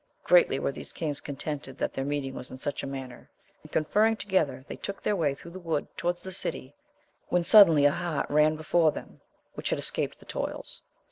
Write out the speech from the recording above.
Greatly were these kings contented that their meeting was in such a manner, and conferring together they took their way through the wood to wards the city, when suddenly a hart ran before them AMADIS OF GAUL, 3 which had escaped the toils.